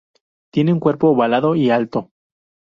Tiene un cuerpo ovalado y alto.